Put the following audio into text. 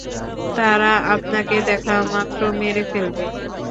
তারা আপনাকে দেখামাত্র মেরে ফেলবে।